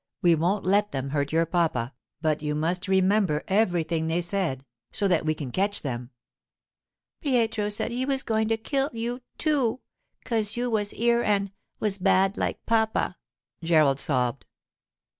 We won't let them hurt your papa, but you must remember everything they said, so that we can catch them.' 'Pietro said he was going to kill you, too, 'cause you was here an' was bad like papa,' Gerald sobbed.